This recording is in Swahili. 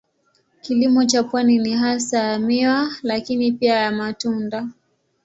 Kilimo cha pwani ni hasa ya miwa lakini pia ya matunda.